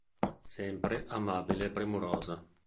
Sempre amabile e premurosa.